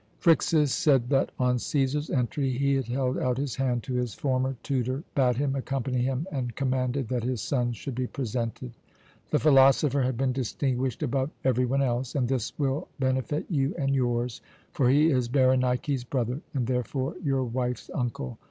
"Phryxus said that on Cæsar's entry he had held out his hand to his former tutor, bade him accompany him, and commanded that his sons should be presented. The philosopher had been distinguished above every one else, and this will benefit you and yours; for he is Berenike's brother, and therefore your wife's uncle.